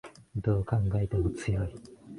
どう考えても強い